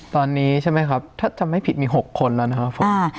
ตอนนี้ใช่ไหมครับถ้าจำไม่ผิดมี๖คนแล้วนะครับผม